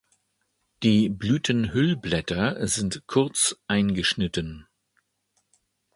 Die Blütenhüllblätter sind kurz eingeschnitten.